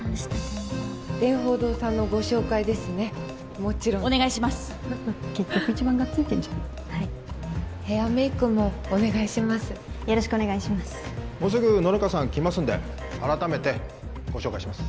もうすぐ野中さん来ますんであらためてご紹介します。